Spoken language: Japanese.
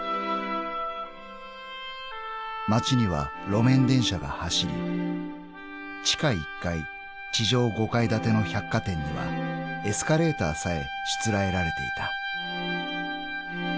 ［街には路面電車が走り地下１階地上５階建ての百貨店にはエスカレーターさえしつらえられていた］